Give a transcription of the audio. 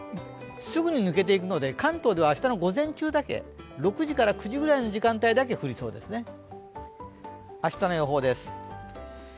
すぐに抜けていくので関東では明日の午前中だけ６時から９時ぐらいの時間帯だけ降りそうですね。